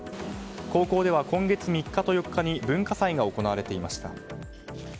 高校では、今月３日と４日に文化祭が行われていました。